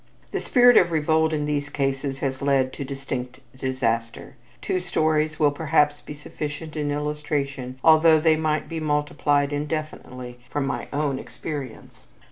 The spirit of revolt in these cases has led to distinct disaster. Two stories will perhaps be sufficient in illustration although they might be multiplied indefinitely from my own experience.